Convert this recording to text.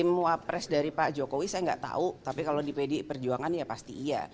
tim wapres dari pak jokowi saya nggak tahu tapi kalau di pdi perjuangan ya pasti iya